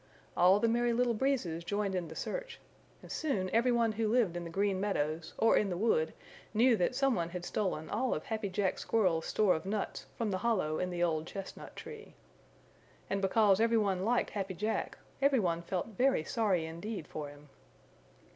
All the Merry Little Breezes joined in the search, and soon every one who lived in the Green Meadows or in the wood knew that some one had stolen all of Happy Jack Squirrel's store of nuts from the hollow in the old chestnut tree. And because every one liked Happy Jack, every one felt very sorry indeed for him.